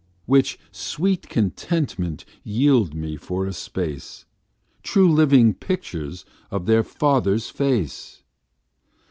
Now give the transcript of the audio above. Which sweet contentment yield me for a space, True living pictures of their father's face.